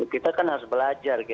kita kan harus belajar